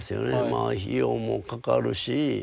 まあ費用もかかるし。